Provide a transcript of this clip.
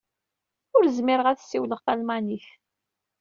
Ur zmireɣ ad ssiwleɣ talmanit.